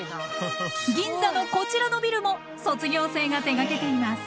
銀座のこちらのビルも卒業生が手がけています。